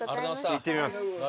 行ってみます。